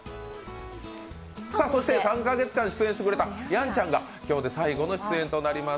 そして３カ月間出演してくれたやんちゃんが今日で最後になります。